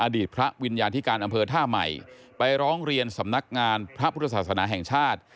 อดีตพระวิญญาธิการอำเภอท่าใหม่ไปร้องเรียนสำนักงานพระพุทธศาสนาแห่งชาติ